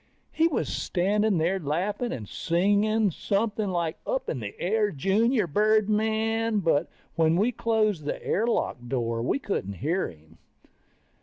He was standing there laughing and singing something like up in the air junior birdmen, but when we closed the air lock door, we couldn't hear him.